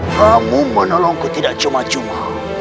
kamu menolongku tidak cuma cuma